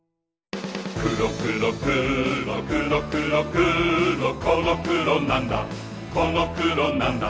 くろくろくろくろくろくろこのくろなんだこのくろなんだ